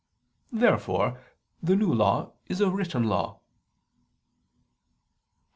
Therefore the New Law is a written law. Obj.